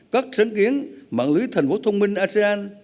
các sáng kiến mạng lưới thành phố thông minh asean